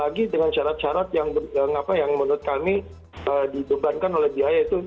lagi dengan syarat syarat yang menurut kami dibebankan oleh biaya itu